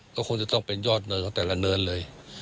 ก็คงจะต้องเป็นยอดเนินของแต่ละเนินเลย